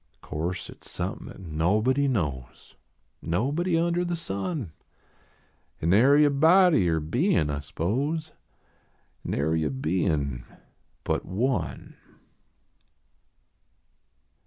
O course at s somepin at nobody knows, Nobody under the sun ; Nary a body or bein I s pose, Narv a bein but One.